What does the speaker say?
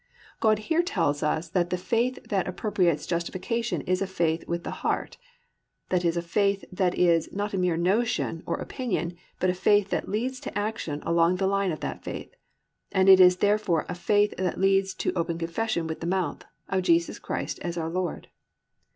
"+ God here tells us that the faith that appropriates justification is a faith with the heart, i.e., a faith that is not a mere notion, or opinion, but a faith that leads to action along the line of that faith, and it is therefore a faith that leads to open confession with the mouth, of Jesus as our Lord.